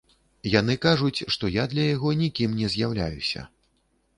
Яны кажуць, што я для яго нікім не з'яўляюся.